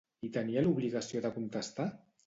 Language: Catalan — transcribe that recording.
I tenia l'obligació de contestar?